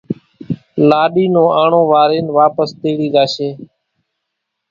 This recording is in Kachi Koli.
لاڏي نون آڻو وارين واپس تيڙي زاشي۔